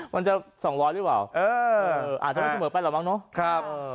มันจะ๒๐๐หรือเปล่าเอออ่าถ้าไม่ใช่เหมือนแปดเหล่ามั้งเนาะครับ